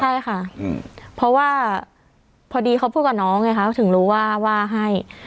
ใช่ค่ะเพราะว่าพอดีเขาพูดกับน้องไงคะถึงรู้ว่าว่าให้